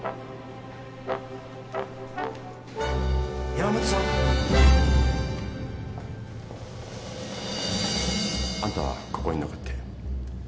・山本さん。あんたはここに残って。